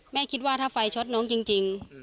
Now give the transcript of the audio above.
คิดว่าถ้าไฟช็อตน้องจริง